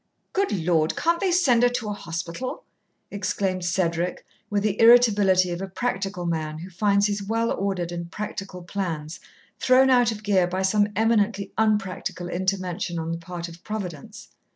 "Good Lord, can't they send her to a hospital?" exclaimed Cedric, with the irritability of a practical man who finds his well ordered and practical plans thrown out of gear by some eminently unpractical intervention on the part of Providence.